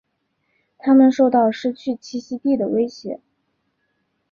它们受到失去栖息地的威胁。